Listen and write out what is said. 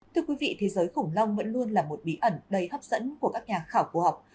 thưa quý vị thế giới khủng long vẫn luôn là một bí ẩn đầy hấp dẫn của các nhà khảo cổ học